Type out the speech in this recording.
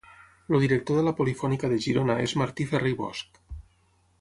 El director de la Polifònica de Girona és Martí Ferrer i Bosch.